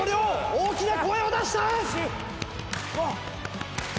大きな声を出した！